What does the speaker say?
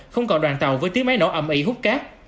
không còn đoàn tàu với tiếng máy nổ ẩm ị hút cát